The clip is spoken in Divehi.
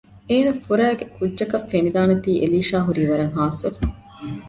އޭނަފުރައިގެ ކުއްޖަކަސް ފެނިދާނެތީ އެލީޝާ ހުރީ ވަރަށް ހާސްވެފަ